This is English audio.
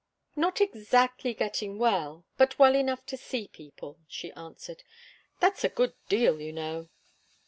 "Not exactly getting well but well enough to see people," she answered. "That's a good deal, you know."